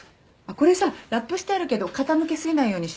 これさラップしてあるけど傾け過ぎないようにして。